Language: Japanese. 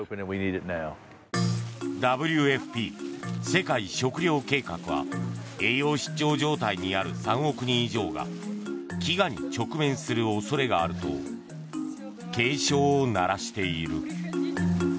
ＷＦＰ・世界食糧計画は栄養失調状態にある３億人以上が飢餓に直面する恐れがあると警鐘を鳴らしている。